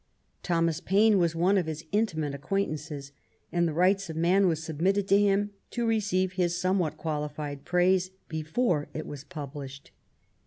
Thomas Paine was one of his intimate acquaintances; and the Rights of Man was submitted \' to him, to receive his somewhat qualified praise, before it was published.